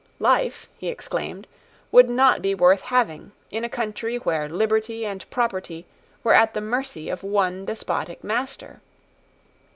Life, he exclaimed, would not be worth having in a country where liberty and property were at the mercy of one despotic master.